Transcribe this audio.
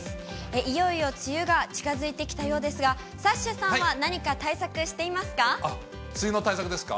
いよいよ梅雨が近づいてきたようですが、サッシャさんは何か、梅雨の対策ですか？